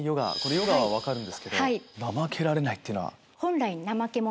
ヨガは分かるんですけど怠けられないっていうのは？